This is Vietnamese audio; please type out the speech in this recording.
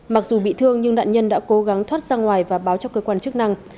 mặc dù bị thương nhưng nạn nhân đã cố gắng thoát ra ngoài và báo cho cơ quan chức năng